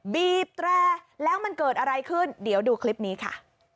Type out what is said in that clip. บีบแตรแล้วมันเกิดอะไรขึ้นเดี๋ยวดูคลิปนี้ค่ะ